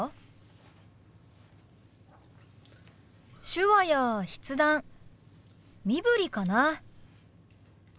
手話や筆談身振りかな。